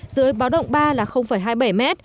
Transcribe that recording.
dưới báo động ba là hai mươi bảy m